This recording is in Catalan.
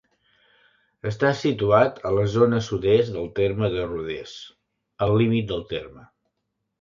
Està situat a la zona sud-est del terme de Rodès, al límit del terme.